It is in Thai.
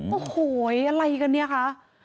โอ้โหอะไรกันเนี่ยคะ